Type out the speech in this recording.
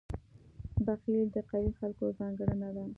• بخښل د قوي خلکو ځانګړنه ده.